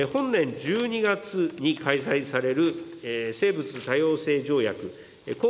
本年１２月に開催される生物多様性条約